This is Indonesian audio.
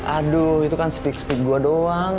aduh itu kan speak speed gue doang